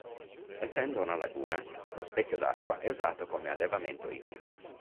Essendo una laguna, lo specchio d'acqua è usato come allevamento ittico.